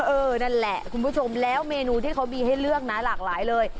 เออนั่นแหละคุณผู้ชมแล้วเมนูที่เขามีให้เลือกนะหลากหลายเลย